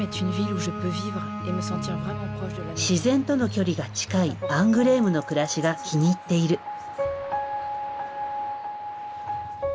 自然との距離が近いアングレームの暮らしが気に入っている。